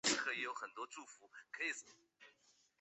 青藏黄耆为豆科黄芪属的植物。